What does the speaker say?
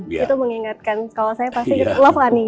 itu mengingatkan kalau saya pasti love ani